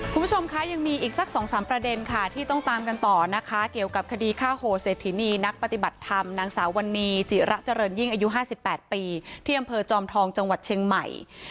คุณผู้ชมคะยังมีอีกสัก๒๓ประเด็นค่ะที่ต้องตามกันต่อนะคะเกี่ยวกับคดีฆ่าโหเศรษฐินีนักปฏิบัติธรรมนางสาววันนี้จิระเจริญยิ่งอายุ๕๘ปีที่อำเภอจอมทองจังหวัดเชียงใหม่